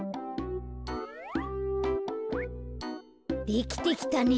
できてきたね。